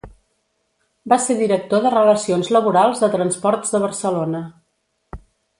Va ser director de relacions laborals de Transports de Barcelona.